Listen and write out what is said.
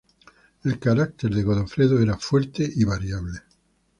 El carácter de Godofredo era fuerte y variable.